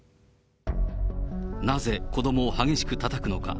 なぜ子どもを激しくたたくのか。